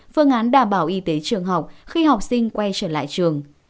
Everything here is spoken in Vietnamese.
phương án đảm bảo y tế trường học khi học sinh quay trở lại trường